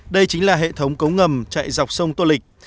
đây chính là hệ thống cống ngầm chạy dọc sông tô lịch